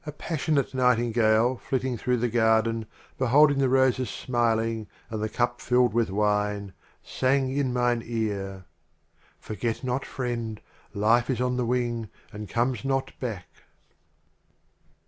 A passionate Nightingale flitting through the Garden, Beholding the Roses smiling and the Cup filled with Wine, Sang in mine Ear, "Forget not, Friend, Life is on the Wing and comes not back."